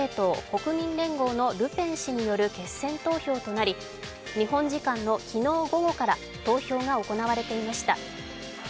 ・国民連合のルペン氏による決選投票となり、日本時間の昨日午後から投票が行われていました。